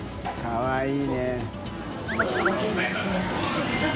かわいい。